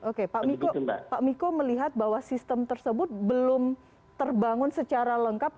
oke pak miko melihat bahwa sistem tersebut belum terbangun secara lengkap